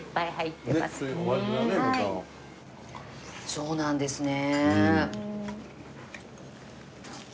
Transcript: そうなんですね。